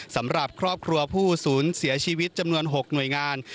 สำหรับครอบครัวผู้สูญเสียชีวิตจำนวน๖หน่วยงาน